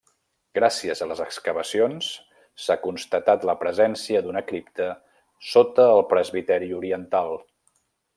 Gràcies a les excavacions s'ha constatat la presència d'una cripta sota el presbiteri oriental.